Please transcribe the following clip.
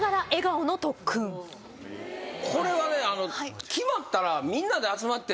これはね。